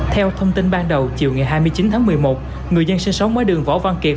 theo thông tin ban đầu chiều ngày hai mươi chín tháng một mươi một người dân sinh sống với đường võ văn kiệt